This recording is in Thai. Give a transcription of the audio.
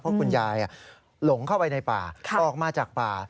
เพราะคุณยายหลงเข้าไปในป่าออกมาจากป่า